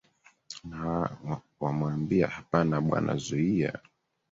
na wa wamwambie hapana bwana zuia